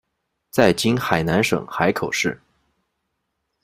在今海南省海口市。